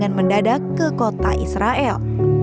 dan membiarkan serangan mendadak ke kota israel